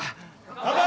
乾杯！